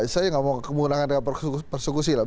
saya gak mau kemulangan dengan persekusi lah